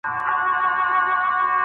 د محصل املا نه اصلاح کېږي.